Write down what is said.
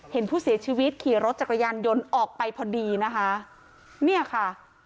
เห็นผู้เสียชีวิตขี่รถจักรยานยนต์ออกไปพอดีนะคะเนี่ยค่ะ